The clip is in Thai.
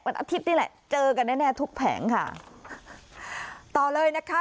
อาทิตย์นี่แหละเจอกันแน่แน่ทุกแผงค่ะต่อเลยนะคะ